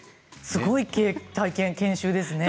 すごい体験、研修ですね。